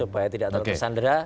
supaya tidak terkesan dera